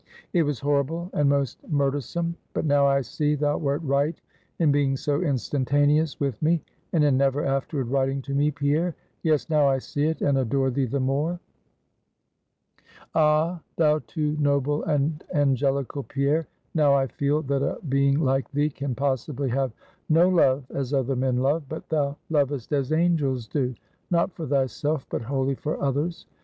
It was horrible and most murdersome; but now I see thou wert right in being so instantaneous with me, and in never afterward writing to me, Pierre; yes, now I see it, and adore thee the more. "Ah! thou too noble and angelical Pierre, now I feel that a being like thee, can possibly have no love as other men love; but thou lovest as angels do; not for thyself, but wholly for others.